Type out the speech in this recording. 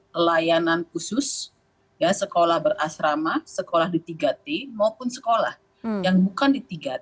pelayanan khusus sekolah berasrama sekolah di tiga t maupun sekolah yang bukan di tiga t